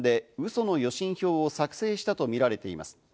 その予診表を作成したとみられています。